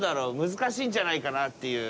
難しいんじゃないかなっていう。